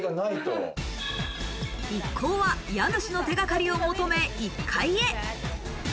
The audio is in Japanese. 一行は家主の手がかりを求め、１階へ。